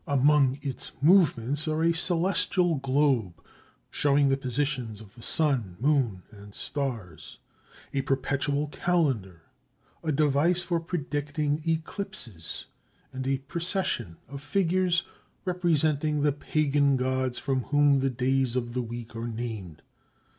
Among its movements are a celestial globe showing the positions of the sun, moon, and stars, a perpetual calendar, a device for predicting eclipses and a procession of figures representing the pagan gods from whom the days of the week are named.